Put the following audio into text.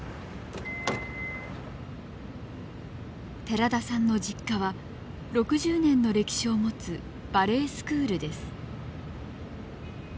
寺田さんの実家は６０年の歴史を持つバレエスクールです。